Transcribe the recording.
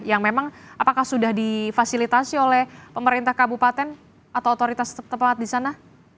yang memang apakah sudah difasilitasi oleh pemerintah kabupaten atau otoritas tempat di sana